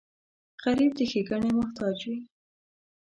غریب د ښېګڼې محتاج وي